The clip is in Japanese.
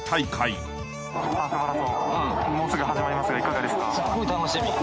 ハーフマラソンもうすぐ始まりますがいかがですか？